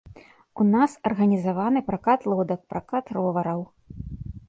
У нас арганізаваны пракат лодак, пракат ровараў.